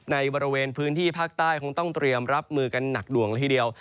ในบริเวณพื้นที่ภาคใต้คงต้องเตรียมรับมือกันหนักหน่วงละทีเดียว